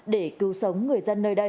để cứu sống người dân nơi đây